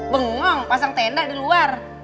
bengong pasang tenda di luar